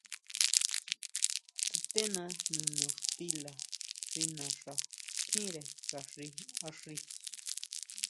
Sutena niño xtila xi naxa tjínre ka xi axí.